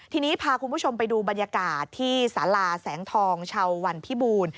ทีนี้พาคุณผู้ชมไปดูบรรยากาศที่สาราแสงทองชาววันพิบูรณ์